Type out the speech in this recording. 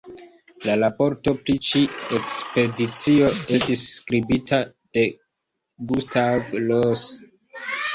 La raporto pri ĉi-ekspedicio estis skribita de Gustav Rose.